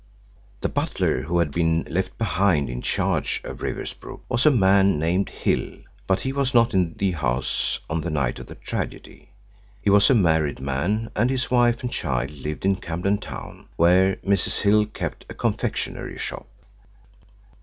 The butler who had been left behind in charge of Riversbrook was a man named Hill, but he was not in the house on the night of the tragedy. He was a married man, and his wife and child lived in Camden Town, where Mrs. Hill kept a confectionery shop.